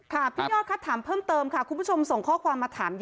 พี่ยอดคะถามเพิ่มเติมค่ะคุณผู้ชมส่งข้อความมาถามเยอะ